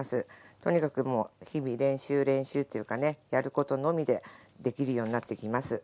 とにかくもう日々、練習練習ということで、やることでできるようになってきます。